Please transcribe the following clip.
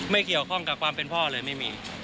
ไม่เกี่ยวข้องกับความเป็นพ่อเลยไม่มี